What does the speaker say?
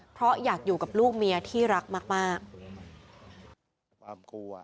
เพราะอยากอยู่กับลูกเมียที่รักมาก